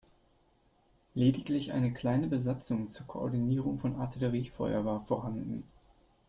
Lediglich eine kleine Besatzung zur Koordinierung von Artilleriefeuer war vorhanden.